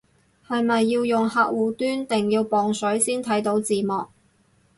係咪要用客戶端定要磅水先睇到字幕